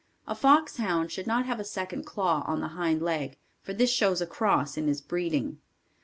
A foxhound should not have a second claw on the hind leg for this shows a cross in his breeding.